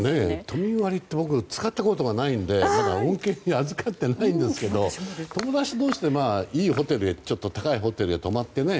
都民割って僕は使ったことがないので、まだ恩恵にあずかってないんですけど友達同士でちょっと高いホテルに泊まってね